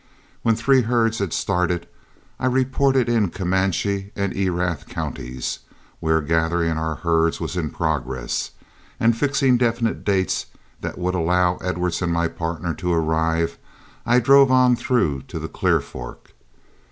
When three herds had started, I reported in Comanche and Erath counties, where gathering for our herds was in progress; and fixing definite dates that would allow Edwards and my partner to arrive, I drove on through to the Clear Fork.